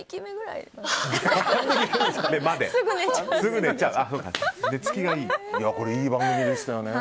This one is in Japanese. いい番組でしたよね。